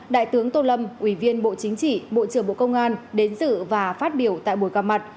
đại tướng tô lâm ủy viên bộ chính trị bộ trưởng bộ công an đến dự và phát biểu tại buổi gặp mặt